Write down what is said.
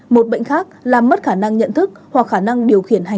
một bệnh khác là mất khả năng nhận thức hoặc khả năng điều khiển tâm thần